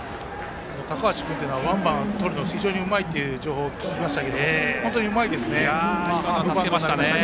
高橋君はワンバンをとるのが非常にうまいという情報を聞きましたけれども本当にうまいですね。